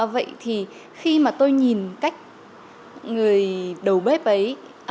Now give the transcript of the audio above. vậy thì khi mà tôi nhìn cách người đầu bếp ấy